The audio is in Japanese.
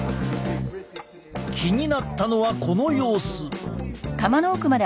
気になったのはこの様子。